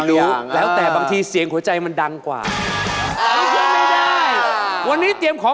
ยังแต่จะขอบรรยากาศเขาจะไม่ได้นะครับวันนี้เตรียมของ